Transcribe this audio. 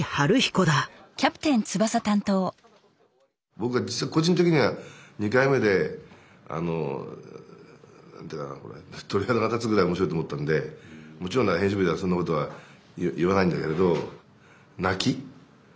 僕は実は個人的には２回目であの鳥肌が立つぐらい面白いと思ったんでもちろん編集部ではそんなことは言わないんだけれど。